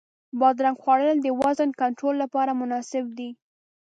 بادرنګ خوړل د وزن کنټرول لپاره مناسب دی.